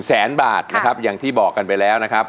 แสนบาทนะครับอย่างที่บอกกันไปแล้วนะครับ